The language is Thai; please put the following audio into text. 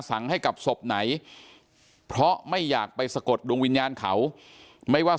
ให้กับศพไหนเพราะไม่อยากไปสะกดดวงวิญญาณเขาไม่ว่า